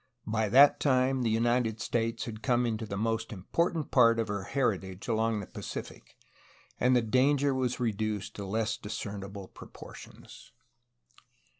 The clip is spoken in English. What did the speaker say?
By that time the United States had come into the most ' important part of her heritage along the Pacific, and the danger was reduced to less discernible proportions.